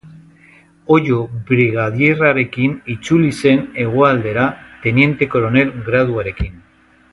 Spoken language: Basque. Ollo brigadierrarekin itzuli zen hegoaldera teniente koronel graduarekin.